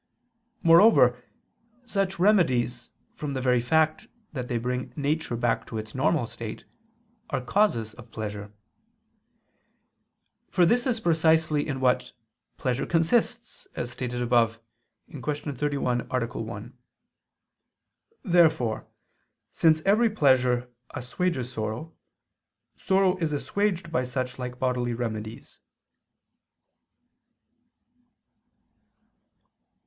Moreover such remedies, from the very fact that they bring nature back to its normal state, are causes of pleasure; for this is precisely in what pleasure consists, as stated above (Q. 31, A. 1). Therefore, since every pleasure assuages sorrow, sorrow is assuaged by such like bodily remedies.